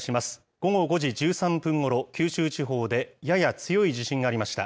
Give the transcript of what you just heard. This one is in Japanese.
午後５時１３分ごろ、九州地方でやや強い地震がありました。